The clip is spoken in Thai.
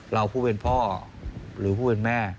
ผู้เป็นพ่อหรือผู้เป็นแม่